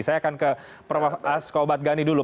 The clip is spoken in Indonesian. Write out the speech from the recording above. saya akan ke prof asko badgani dulu